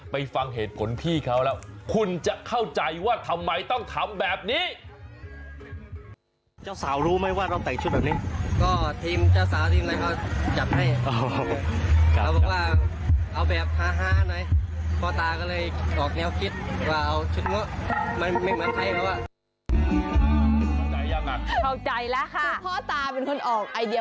ฟังเหตุผลพี่เขาแล้วคุณจะเข้าใจว่าทำไมต้องทำแบบนี้